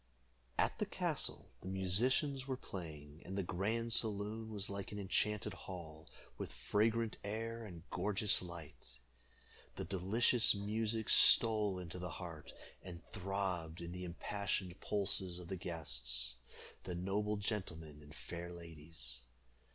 At the castle the musicians were playing, and the grand saloon was like an enchanted hall, with fragrant air and gorgeous light. The delicious music stole into the heart, and throbbed in the impassioned pulses of the guests, the noble gentlemen and fair ladies.